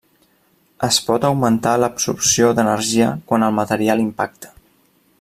Es pot augmentar l'absorció d'energia quan el material impacta.